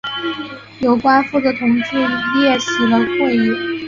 有关负责同志列席了会议。